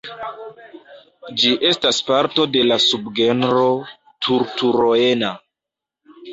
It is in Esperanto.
Ĝi estas parto de la subgenro "Turturoena".